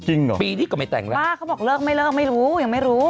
เหรอปีนี้ก็ไม่แต่งแล้วป้าเขาบอกเลิกไม่เลิกไม่รู้ยังไม่รู้